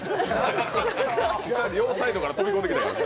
両サイドから飛び込んできたから。